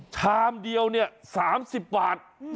ชามเดียวเนี่ย๓๐บาท